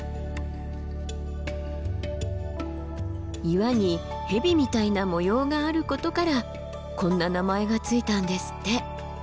岩に蛇みたいな模様があることからこんな名前が付いたんですって。